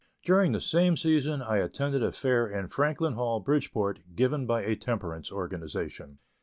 During the same season I attended a fair in Franklin Hall, Bridgeport, given by a temperance organization.